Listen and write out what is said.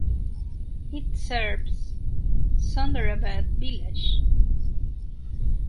It serves Sunderabad village.